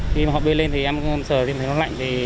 khi mà họ bê lên thì em sờ thì thấy nó lạnh